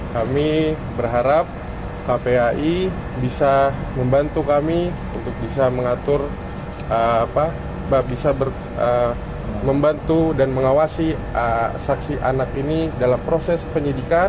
kami berharap kpai bisa membantu kami untuk bisa mengatur bisa membantu dan mengawasi saksi anak ini dalam proses penyidikan